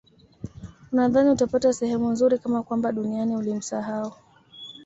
unadhani utapata sehemu nzuri kama kwamba duniani ulimsahau